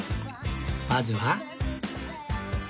まずは